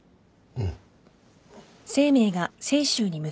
うん。